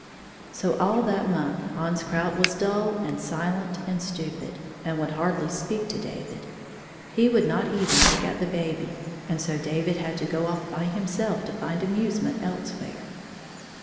So all that month Hans Krout was dull and silent and stupid, and would hardly speak to David. He would not even look at the baby, and so David had to go off by himself to find amuse ment elsewhere.